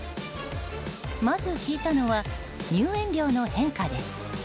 まず聞いたのは入園料の変化です。